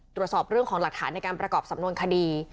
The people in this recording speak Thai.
ตรวจสอบเรื่องของหลักฐานในการประกอบสำนวนคดี